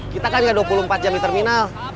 kita kan nggak dua puluh empat jam di terminal